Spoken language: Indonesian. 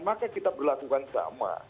maka kita berlakukan sama